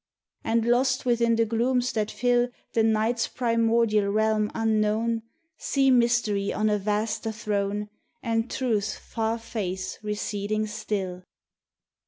And lost within the glooms that fill The Night's primordial realm unknown, See Mystery on a vaster throne And Truth's far face receding still.